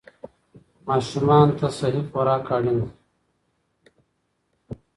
ماشومان ته صحي خوراک اړین دی.